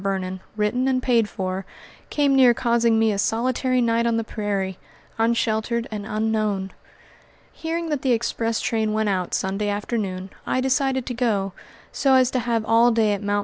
Vernon, written and paid for, came near causing me a solitary night on the prairie, unsheltered and unknown. Hearing that the express train went out Sunday afternoon, I decided to go, so as to have all day at Mt.